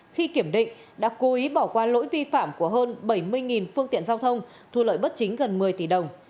khi kiểm định đã cố ý bỏ qua lỗi vi phạm của hơn bảy mươi phương tiện giao thông thu lợi bất chính gần một mươi tỷ đồng